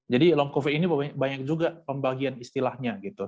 jadi long covid ini banyak juga pembagian istilahnya